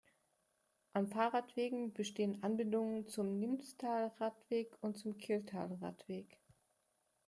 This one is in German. An Fahrradwegen bestehen Anbindungen zum Nimstal-Radweg und zum Kylltal-Radweg.